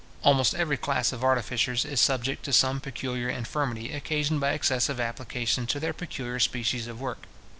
Almost every class of artificers is subject to some peculiar infirmity occasioned by excessive application to their peculiar species of work.